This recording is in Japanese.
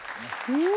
うん！